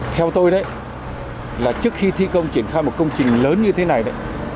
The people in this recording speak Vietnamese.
theo tôi đấy là trước khi thi công triển khai một công trình lớn như thế này đấy